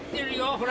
ほら。